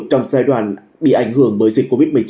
trong giai đoạn bị ảnh hưởng bởi dịch covid một mươi chín